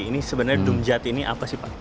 ini sebenarnya dumjat ini apa sih pak